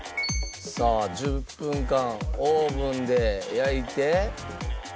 「さあ１０分間オーブンで焼いて？」